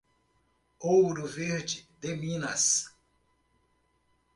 Ouro Verde de Minas